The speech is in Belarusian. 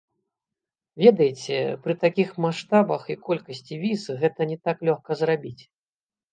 Ведаеце, пры такіх маштабах і колькасці віз гэта не так лёгка зрабіць.